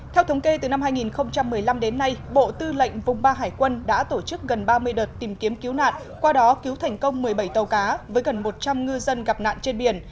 theo thống kê từ năm hai nghìn một mươi năm đến nay bộ tư lệnh vùng ba hải quân đã tổ chức gần ba mươi đợt tìm kiếm cứu nạn qua đó cứu thành công một mươi bảy tàu cá với gần một trăm linh ngư dân gặp nạn trên biển